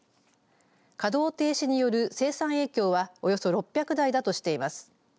稼働停止による生産影響はおよそ６００台だとしています。